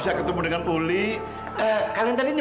aku mandi dulu ya